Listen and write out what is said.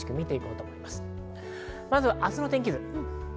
まずは明日の天気図。